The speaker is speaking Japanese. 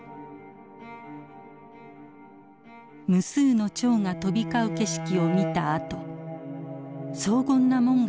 無数のチョウが飛び交う景色を見たあと荘厳な門がそびえ立つ